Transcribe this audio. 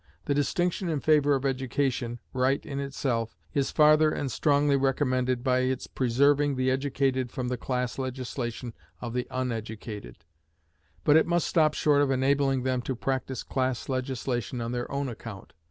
The distinction in favor of education, right in itself, is farther and strongly recommended by its preserving the educated from the class legislation of the uneducated; but it must stop short of enabling them to practice class legislation on their own account.